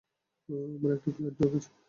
আমার একটা ফ্লাইট ধরার আছে।